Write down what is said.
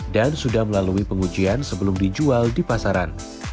dan sudah melalui pengujian sebelum dijual di pasaran